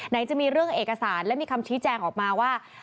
ไหนจะมีเรื่องเอกสารและมีคำชี้แจงออกมาว่า